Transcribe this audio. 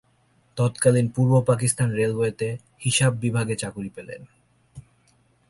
তৎকালীন পূর্ব পাকিস্তান রেলওয়েতে হিসাব বিভাগে চাকুরী পেলেন।